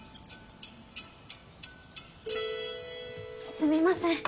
すみません。